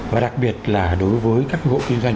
và đặc biệt là đối với các hộ kinh doanh